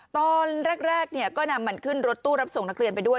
ตอนแรกก็นำมันขึ้นรถตู้รับส่งนักเรียนไปด้วย